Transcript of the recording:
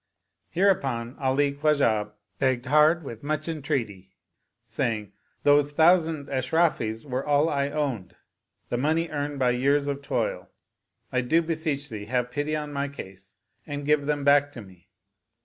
Hereupon Ali Khwa jah begged hard with much entreaty, saying, " Those thou sand Ashrafis were all I owned, the money earned by years of toil: I do beseech thee have pity on my case and give them back to me."